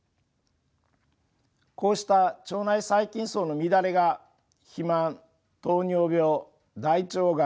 こうした腸内細菌そうの乱れが肥満糖尿病大腸がん